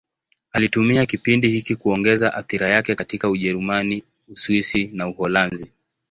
Alitumia kipindi hiki kuongeza athira yake katika Ujerumani, Uswisi na Uholanzi.